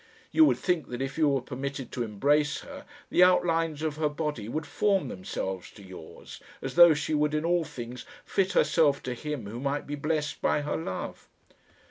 You would think that if you were permitted to embrace her, the outlines of her body would form themselves to yours, as though she would in all things fit herself to him who might be blessed by her love.